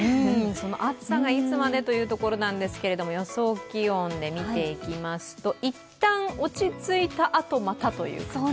暑さがいつまでというところなんですけれども予想気温で見ていきますといったん落ち着いたあと、またという感じ？